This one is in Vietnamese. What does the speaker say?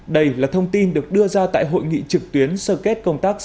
đây là thông tin được đưa ra tại hội nghị trực tuyến sơ kết công tác sáu tháng